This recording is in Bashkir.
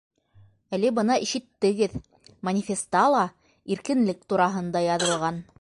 Әле бына ишеттегеҙ, манифеста ла иркенлек тураһында яҙылған.